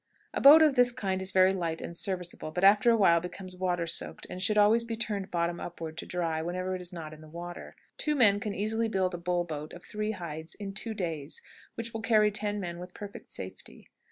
A boat of this kind is very light and serviceable, but after a while becomes water soaked, and should always be turned bottom upward to dry whenever it is not in the water. Two men can easily build a bull boat of three hides in two days which will carry ten men with perfect safety.